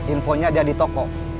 infonya dia di toko